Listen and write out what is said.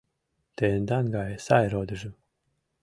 Тендан гае сай родыжым